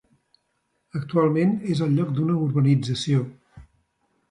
Actualment és el lloc d'una urbanització.